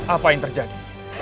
apa yang terjadi